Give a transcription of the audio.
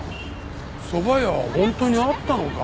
そば屋は本当にあったのか。